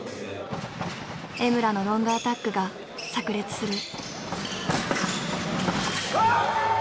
江村のロングアタックがさく裂する。